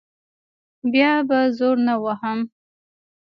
بیا به زور نه وهم.